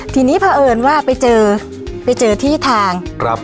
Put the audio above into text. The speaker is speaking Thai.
ทีนี้เพราะเอิญว่าไปเจอไปเจอที่ทาง